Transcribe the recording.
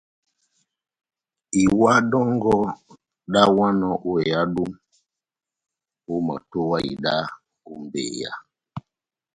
Iwa dɔngɔ dáháwanɔ ó ehádo, omatowa ida ó mbeyá.